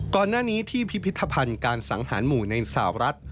ก่อนหน้านี้ที่พิพิธภัณฑ์การสังหารหมู่ในสาวรัฐ